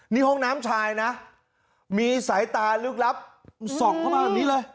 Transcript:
นี่ห้องน้ำชายนะมีสายตาลึกลับส่องเข้ามาแบบนี้เลย